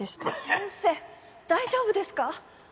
先生大丈夫ですか？